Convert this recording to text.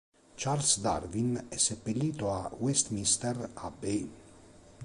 Charles Darwin è seppellito a Westminster Abbey.